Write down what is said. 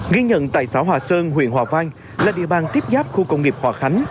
ghi nhận tại xã hòa sơn huyện hòa vang là địa bàn tiếp giáp khu công nghiệp hòa khánh